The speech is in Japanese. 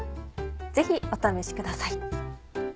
ぜひお試しください。